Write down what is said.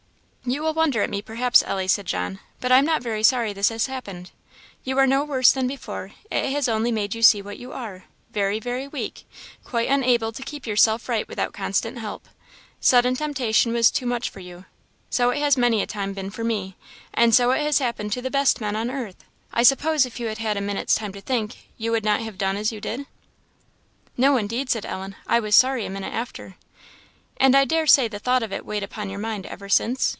"You will wonder at me, perhaps, Ellie," said John, "but I am not very sorry this has happened. You are no worse than before; it has only made you see what you are very, very weak quite unable to keep yourself right without constant help. Sudden temptation was too much for you so it has many a time been for me, and so it has happened to the best men on earth. I suppose if you had had a minute's time to think, you would not have done as you did?" "No, indeed!" said Ellen. "I was sorry a minute after." "And I dare say the thought of it weighed upon your mind ever since?"